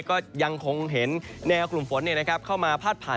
ก็ยังคงเห็นแนวกลุ่มฝนเข้ามาพาดผ่าน